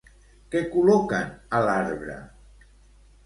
Què col·loquen a l'arbre?